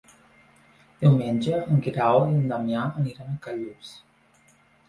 Diumenge en Guerau i en Damià aniran a Callús.